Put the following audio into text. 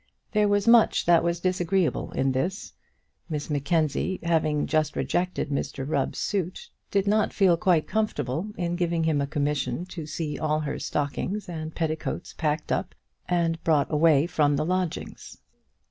There was much that was disagreeable in this. Miss Mackenzie having just rejected Mr Rubb's suit, did not feel quite comfortable in giving him a commission to see all her stockings and petticoats packed up and brought away from the lodgings.